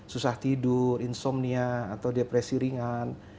susah tidur insomnia atau depresi ringan